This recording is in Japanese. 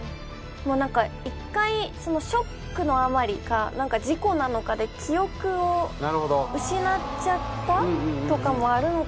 １回ショックのあまりか事故なのかで記憶を失っちゃったとかもあるのかな。